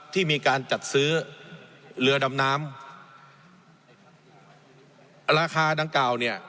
ที่มีการจัดซื้อเรือดำน้ำราคาดังกล่าวเนี่ย